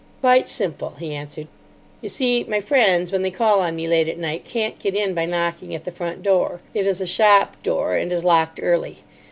"Quite simple," he answered. "You see, my friends, when they call on me late at night, can't get in by knocking at the front door. It is a shop door, and is locked early.